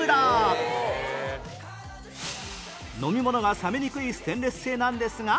飲み物が冷めにくいステンレス製なんですが